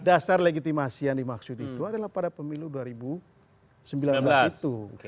dasar legitimasi yang dimaksud itu adalah pada pemilu dua ribu sembilan belas itu